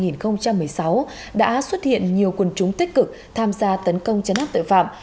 năm hai nghìn một mươi sáu đã xuất hiện nhiều quân chúng tích cực tham gia tấn công chấn áp tội phạm